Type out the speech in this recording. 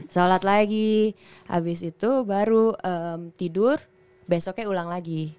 salat lagi abis itu baru tidur besoknya ulang lagi